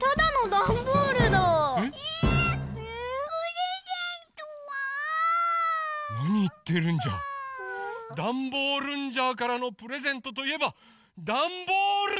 ダンボールンジャーからのプレゼントといえばダンボールジャ！